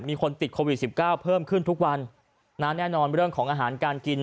มีคนติดโควิดสิบเก้าเพิ่มขึ้นทุกวันนะแน่นอนเรื่องของอาหารการกิน